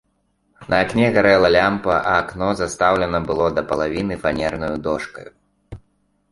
На акне гарэла лямпа, а акно застаўлена было да палавіны фанернаю дошкаю.